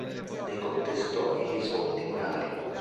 Ne contestò i risvolti morali.